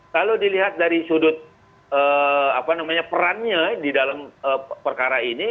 kalau dilihat dari sudut perannya di dalam perkara ini